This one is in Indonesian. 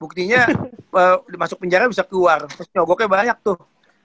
buktinya masuk penjara bisa keluar terus nyogoknya banyak tuh